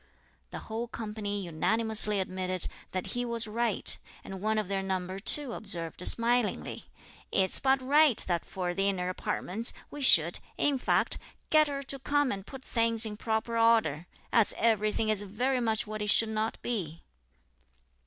The whole company unanimously admitted that he was right; and one of their number too observed smilingly, "It's but right that for the inner apartments, we should, in fact, get her to come and put things in proper order, as everything is very much what it should not be."